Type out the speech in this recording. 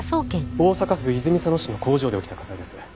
大阪府泉佐野市の工場で起きた火災です。